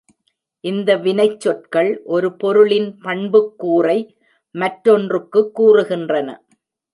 இந்த வினைச்சொற்கள் ஒரு பொருளின் பண்புக்கூறை மற்றொன்றுக்குக் கூறுகின்றன.